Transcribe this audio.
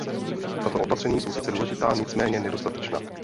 Tato opatření jsou sice důležitá, nicméně nedostatečná.